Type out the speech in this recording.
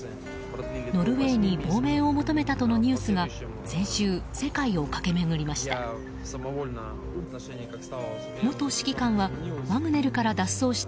ノルウェーに亡命を求めたとのニュースが先週、世界を駆け巡りました。